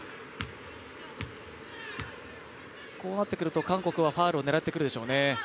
こうなってくると、韓国はファウルを狙ってくるでしょうね。